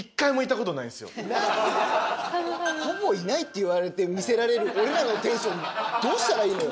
ほぼいないって言われて見せられる俺らのテンションどうしたらいいのよ。